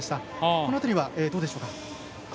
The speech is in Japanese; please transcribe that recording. この辺りはどうでしょうか。